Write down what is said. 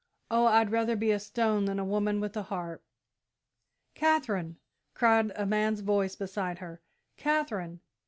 Oh, I'd rather be a stone than a woman with a heart!" "Katherine!" cried a man's voice beside her; "Katherine!"